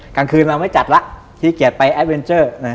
กลางคืนเราไม่จัดละขี้เกียจไปแอดเวนเจอร์